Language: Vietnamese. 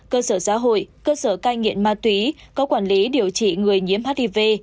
cơ sở giáo hội cơ sở cai nghiện ma túy có quản lý điều trị người nhiễm hiv